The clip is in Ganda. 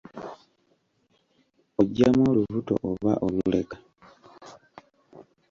Oggyamu olubuto oba oluleka?